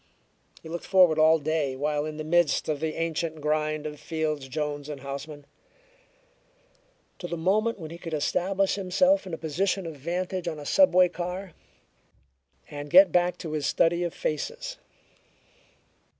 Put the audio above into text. He looked forward all day, while in the midst of the ancient grind of Fields, Jones & Houseman, to the moment when he could establish himself in a position of vantage on a subway car, and get back to his study of faces.